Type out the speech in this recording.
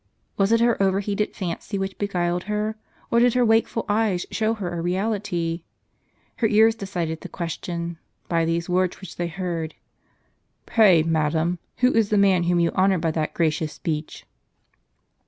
Was it her over heated fancy which beguiled her, or did her wakeful eyes show her a reality ? Her ears decided the question, by these words which they heard :" Pray, madam, who is the man whom you honor by that gracious speech